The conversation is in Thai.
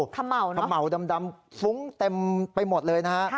คำเหมาเนอะคำเหมาดำฟุ้งเต็มไปหมดเลยนะฮะ